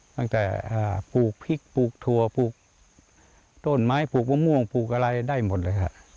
ตั้งแต่บกปลูกถั่วบูกต้นไม้ปุกมะม่วงปลูกอะไรได้หมดแหละค่ะ